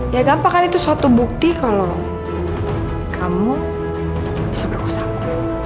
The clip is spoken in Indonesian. ya gampang kan itu suatu bukti kalau kamu bisa berkosa aku